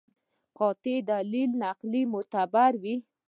قاطع دلیل نقلي معتبر وي.